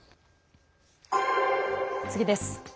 次です。